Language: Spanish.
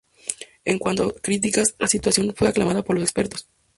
En cuánto a críticas, la actuación fue aclamada por los expertos.